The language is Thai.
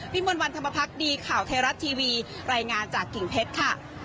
มวลวันธรรมพักดีข่าวไทยรัฐทีวีรายงานจากกิ่งเพชรค่ะ